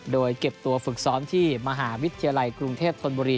โดยเก็บตัวฝึกซ้อมที่มหาวิทยาลัยกรุงเทพธนบุรี